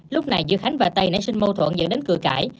lúc này giữa khánh và tây nãy sinh mâu thuẫn dẫn đến cửa cải